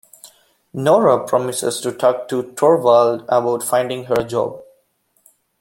Nora promises to talk to Torvald about finding her a job.